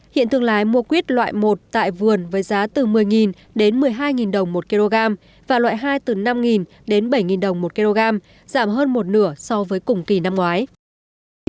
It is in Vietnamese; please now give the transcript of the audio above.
hiện thương lái mua quýt loại một tại vườn với giá từ một mươi đến một mươi hai đồng một kg và loại hai từ năm đến bảy đồng một kg giảm hơn một nửa so với cùng kỳ năm ngoái